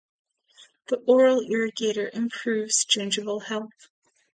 The oral irrigator improves gingival health.